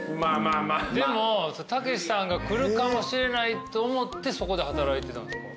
でも武さんが来るかもしれないと思ってそこで働いてたんですか？